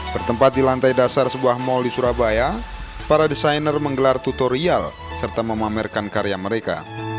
bertempat di lantai dasar sebuah mal di surabaya para desainer menggelar tutorial serta memamerkan karya mereka